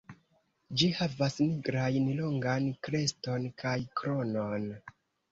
Ĝi havas nigrajn longan kreston kaj kronon.